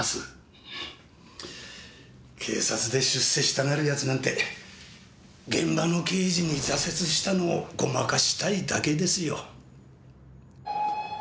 警察で出世したがる奴なんて現場の刑事に挫折したのをごまかしたいだけですよ。